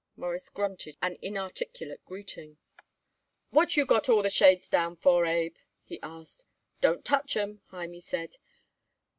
Morris grunted an inarticulate greeting. "What you got all the shades down for, Abe?" he asked. "Don't touch 'em," Hymie said.